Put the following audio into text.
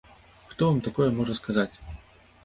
Хто вам такое можа сказаць?